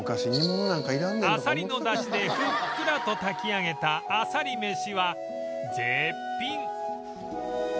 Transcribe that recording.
あさりの出汁でふっくらと炊き上げたあさり飯は絶品